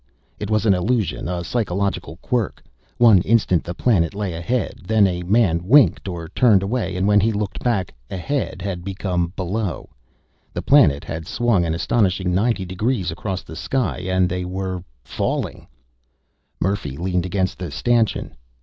It was an illusion, a psychological quirk. One instant the planet lay ahead; then a man winked or turned away, and when he looked back, "ahead" had become "below"; the planet had swung an astonishing ninety degrees across the sky, and they were falling! Murphy leaned against the stanchion.